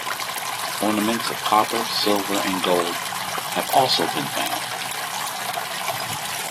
Ornaments of copper, silver and gold have also been found.